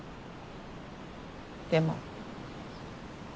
でも。